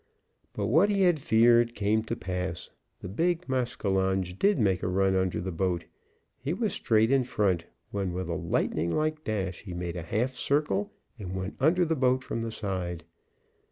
But what he had feared came to pass. The big maskinonge did make a run under the boat. He was straight in front, when with a lightning like dash he made a half circle and went under the boat from the side.